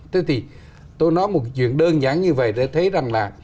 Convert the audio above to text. thế thì tôi nói một chuyện đơn giản như vậy để thấy rằng là